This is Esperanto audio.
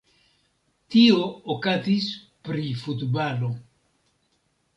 Tio okazis pri futbalo.